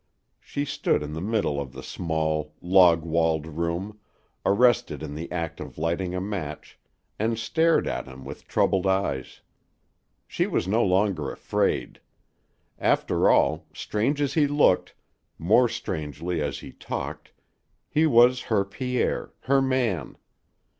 She stood in the middle of the small, log walled room, arrested in the act of lighting a match, and stared at him with troubled eyes. She was no longer afraid. After all, strange as he looked, more strangely as he talked, he was her Pierre, her man.